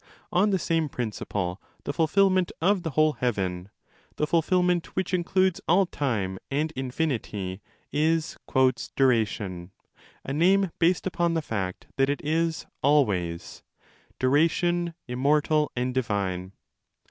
On the same principle the fulfilment of the whole heaven, the fulfilment which includes all time and infinity, is 'duration'—a name based upon the fact that it zs always'—duration immortal and divine.